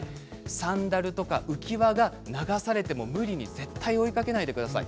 サンダルとか浮き輪が流されても無理に絶対に追いかけないでください。